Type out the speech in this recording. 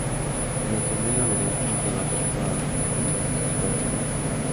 En el gemelo derecho lleva tatuados los nombres de sus cuatro hermanos.